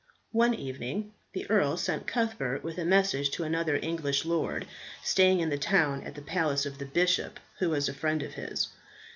One evening the earl sent Cuthbert with a message for another English lord, staying in the town at the palace of the bishop, who was a friend of his.